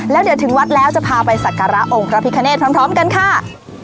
แล้วเดี๋ยวถึงวัดแล้วจะพาไปสักการะองค์พระพิคเนธพร้อมกันค่ะ